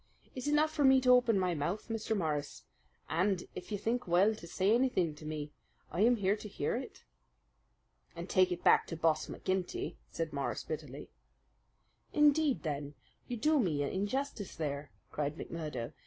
It is not for me to open my mouth, Mr. Morris, and if you think well to say anything to me I am here to hear it." "And to take it back to Boss McGinty!" said Morris bitterly. "Indeed, then, you do me injustice there," cried McMurdo.